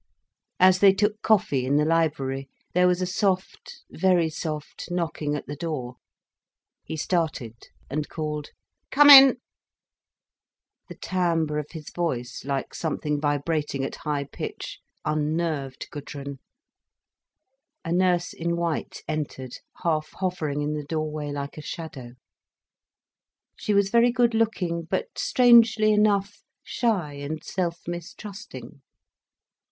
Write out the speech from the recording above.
As they took coffee in the library, there was a soft, very soft knocking at the door. He started, and called "Come in." The timbre of his voice, like something vibrating at high pitch, unnerved Gudrun. A nurse in white entered, half hovering in the doorway like a shadow. She was very good looking, but strangely enough, shy and self mistrusting.